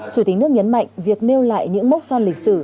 chủ tịch nước nhấn mạnh việc nêu lại những mốc son lịch sử